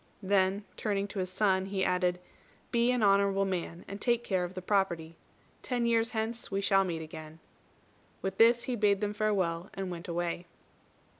Then, turning to his son, he added, "Be an honourable man, and take care of the property. Ten years hence we shall meet again." With this he bade them farewell, and went away.